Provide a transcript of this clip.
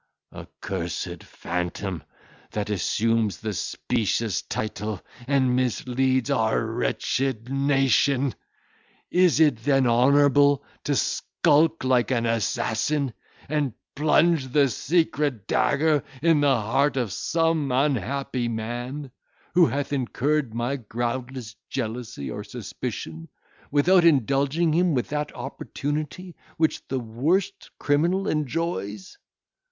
"Accursed phantom! that assumes the specious title, and misleads our wretched nation! Is it then honourable to skulk like an assassin, and plunge the secret dagger in the heart of some unhappy man, who hath incurred my groundless jealousy or suspicion, without indulging him with that opportunity which the worst criminal enjoys?